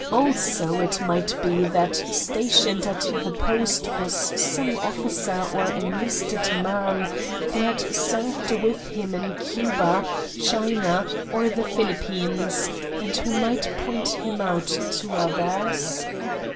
Also it might be that stationed at the post was some officer or enlisted man who had served with him in Cuba, China, or the Philippines, and who might point him out to others.